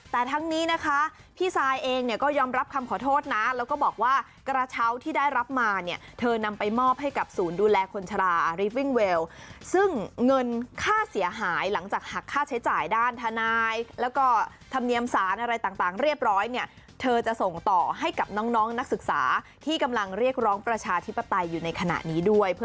แต่ทั้งนี้นะคะพี่ซายเองเนี่ยก็ยอมรับคำขอโทษนะแล้วก็บอกว่ากระเช้าที่ได้รับมาเนี่ยเธอนำไปมอบให้กับศูนย์ดูแลคนชะลาอาริฟวิ่งเวลซึ่งเงินค่าเสียหายหลังจากหักค่าใช้จ่ายด้านทนายแล้วก็ธรรมเนียมสารอะไรต่างเรียบร้อยเนี่ยเธอจะส่งต่อให้กับน้องนักศึกษาที่กำลังเรียกร้องประชาธิปไตยอยู่ในขณะนี้ด้วยเพื่อ